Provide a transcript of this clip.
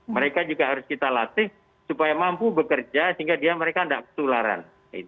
mereka juga harus kita latih supaya mampu bekerja sehingga mereka tidak ketularan